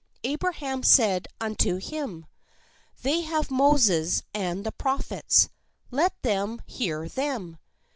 Abraham said unto him :' They have Moses and the Prophets; let them hear them."